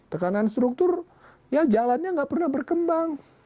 tekanan struktur ya jalannya nggak pernah berkembang